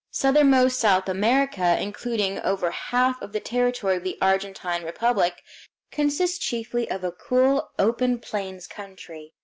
Southernmost South America, including over half of the territory of the Argentine Republic, consists chiefly of a cool, open plains country.